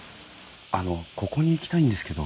あのここに行きたいんですけど。